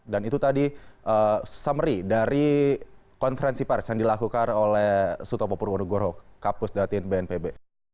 dan itu tadi summary dari konferensi paris yang dilakukan oleh suto populwono goroh kapus datin bnpb